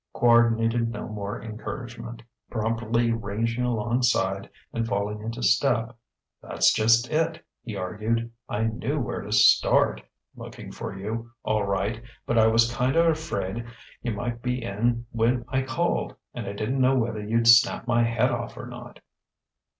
Quard needed no more encouragement. Promptly ranging alongside and falling into step: "That's just it," he argued; "I knew where to start looking for you, all right, but I was kinda afraid you might be in when I called, and didn't know whether you'd snap my head off or not."